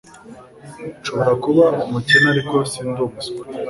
Nshobora kuba umukene ariko sindi umuswa